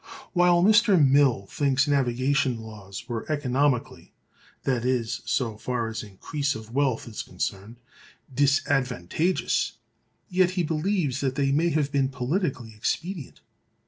While Mr. Mill thinks navigation laws were economically—that is, so far as increase of wealth is concerned—disadvantageous, yet he believes that they may have been "politically expedient."